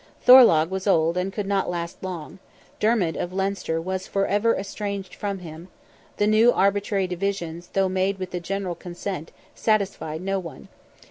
Thorlogh was old and could not last long; Dermid of Leinster was for ever estranged from him; the new arbitrary divisions, though made with the general consent, satisfied no one.